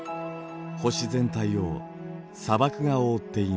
星全体を砂漠が覆っています。